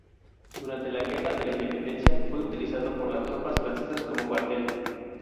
Durante la guerra de la Independencia fue utilizado por las tropas francesas como cuartel.